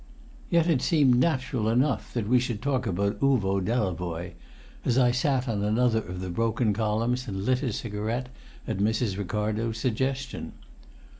Yet it seemed natural enough that we should talk about Uvo Delavoye, as I sat on another of the broken columns and lit a cigarette at Mrs. Ricardo's suggestion.